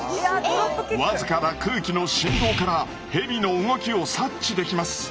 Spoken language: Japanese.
僅かな空気の振動からヘビの動きを察知できます。